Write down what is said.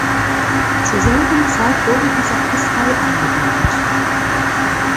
Zur selben Zeit wurde die Sakristei angebaut.